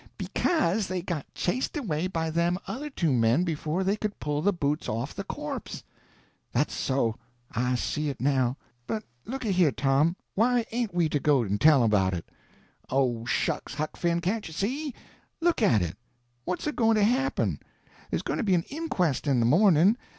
"Because they got chased away by them other two men before they could pull the boots off of the corpse." "That's so! I see it now. But looky here, Tom, why ain't we to go and tell about it?" "Oh, shucks, Huck Finn, can't you see? Look at it. What's a going to happen? There's going to be an inquest in the morning.